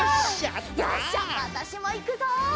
よしじゃあわたしもいくぞ！